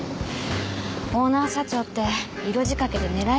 オーナー社長って色仕掛けで狙いやすいんでしょうか？